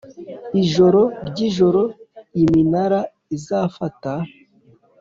ijoro ryijoro iminara izafata